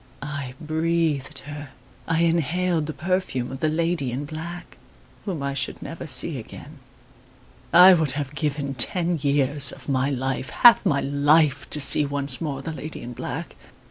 I breathed her I inhaled the perfume of the lady in black, whom I should never see again. I would have given ten years of my life half my life to see once more the lady in black!